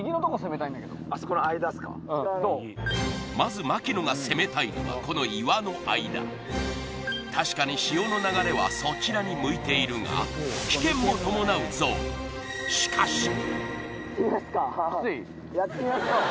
まず槙野が攻めたいのがこの岩の間確かに潮の流れはそちらに向いているが危険も伴うゾーンきつい？